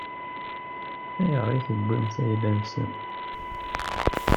Ayɣer i tewwimt ayla-nsen?